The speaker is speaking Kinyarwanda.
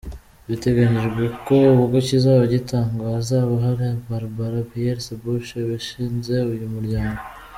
Biteganyijwe ko ubwo kizaba gitangwa hazaba hari Barbara Pierce Bush washinze uyu muryango.